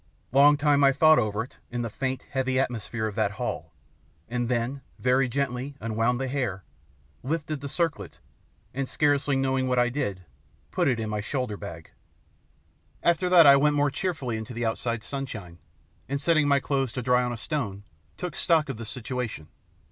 Long time I thought over it in the faint, heavy atmosphere of that hall, and then very gently unwound the hair, lifted the circlet, and, scarcely knowing what I did, put it in my shoulder bag. After that I went more cheerfully into the outside sunshine, and setting my clothes to dry on a stone, took stock of the situation.